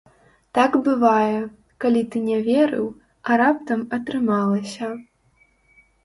Так бывае, калі ты не верыў, а раптам атрымалася!